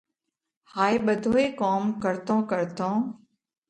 هائي ٻڌوئي ڪوم ڪرتون ڪرتون